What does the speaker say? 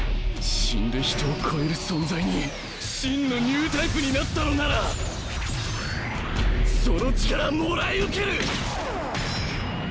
死んで人を超える存在に真のニュータイプになったのならその力もらい受ける！ジャキン！